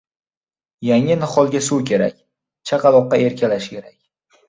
• Yangi niholga suv kerak, chaqaloqqa erkalash kerak.